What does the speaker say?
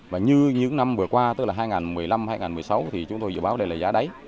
và như những năm vừa qua tức là hai nghìn một mươi năm hai nghìn một mươi sáu thì chúng tôi dự báo đây là giá đấy